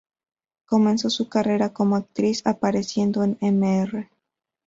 Comenzó su carrera como actriz apareciendo en "Mr.